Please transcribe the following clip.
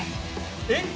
「えっ！？」